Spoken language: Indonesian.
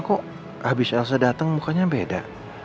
kok abis elsa dateng mukanya beda